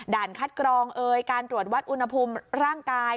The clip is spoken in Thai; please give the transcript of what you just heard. คัดกรองเอยการตรวจวัดอุณหภูมิร่างกาย